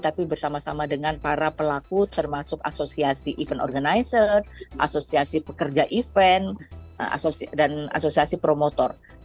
tapi bersama sama dengan para pelaku termasuk asosiasi event organizer asosiasi pekerja event dan asosiasi promotor